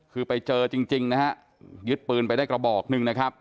คือไปเจอจริงนะฮะยึดปืนไปได้กระบอกหนึ่งนะครับ